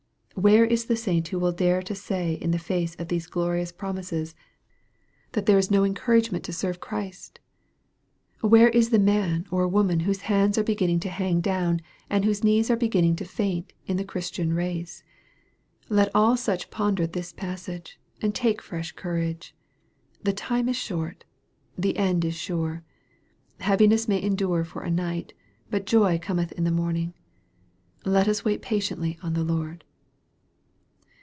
Where is the saint who will dare to say in the face of these glorious promises, that there is no encouragement MARK, CHAP. X. 213 to ser re Christ ? Where is the man or woman whose hands are beginning to hang down, and whose knees are beginning to faint in the Christian race ? Let all such ponder this passage, and take fresh courage. The time is short. The end is sure. Heaviness may endure for a night, but joy cometh in the morning. Let us wait patiently on the Lord.